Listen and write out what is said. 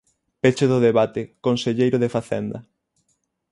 Peche do debate, conselleiro de Facenda.